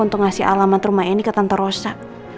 untuk ngasih alamat rumah ini ke tanpa rosa